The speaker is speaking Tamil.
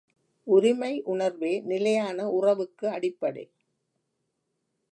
உரிமை உணர்வே நிலையான உறவுக்கு அடிப்படை.